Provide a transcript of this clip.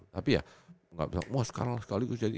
tapi ya gak bisa wah sekarang sekali itu jadi